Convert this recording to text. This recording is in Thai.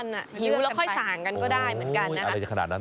ทั้งวันอ่ะหิวแล้วค่อยสั่งกันก็ได้เหมือนกันนะครับ